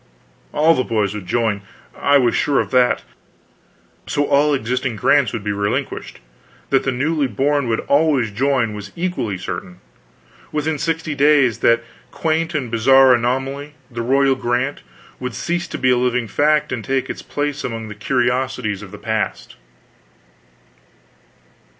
All the boys would join, I was sure of that; so, all existing grants would be relinquished; that the newly born would always join was equally certain. Within sixty days that quaint and bizarre anomaly, the Royal Grant, would cease to be a living fact, and take its place among the curiosities of the past.